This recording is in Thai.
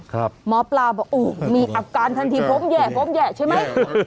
หมอปลาบอกโอ้มีอาการทันทีผมแห่ผมแย่ใช่ไหม